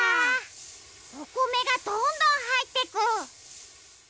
おこめがどんどんはいってく！